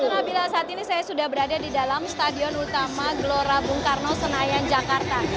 nabila saat ini saya sudah berada di dalam stadion utama gelora bung karno senayan jakarta